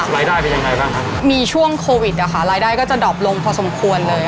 รายได้เป็นยังไงบ้างครับมีช่วงโควิดอ่ะค่ะรายได้ก็จะดอบลงพอสมควรเลย